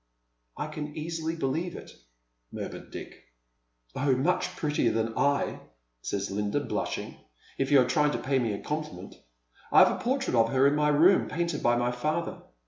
" I can easily believe it," murmured Dick. " Oh, much prettier than I !" says Linda, blushing, " if you are trying to pay me a compliment. I have a portrait of her in my room, painted by my father.